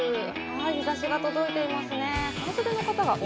日差しが届いていますね。